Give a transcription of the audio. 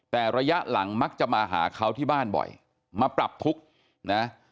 แต่ระยะหลังมักจะมาหาเขาที่บ้านบ่อยมาปรับทุกข์นะ